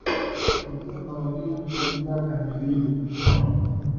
But I am confident we will succeed.